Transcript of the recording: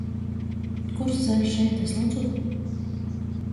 Kurs ceļš īt iz Ludzu?